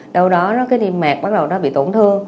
đâu đó nó cái niêm mạc bắt đầu nó bị tổn thương